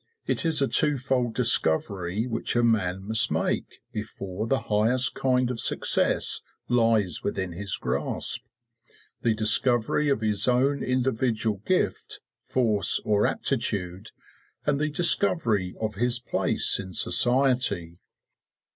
It is a twofold discovery which a man must make before the highest kind of success lies within his grasp: the discovery of his own individual gift, force, or aptitude, and the discovery of his place in society.